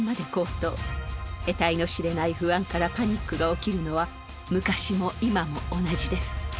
えたいの知れない不安からパニックが起きるのは昔も今も同じです。